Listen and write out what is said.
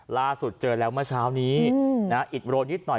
ล่าสุดเจอแล้วเมื่อเช้านี้อิดโรยนิดหน่อย